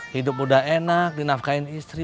hidup udah enak dinafkain istri